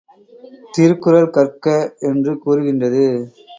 திருக்குறள் கற்க என்று கூறுகின்றது.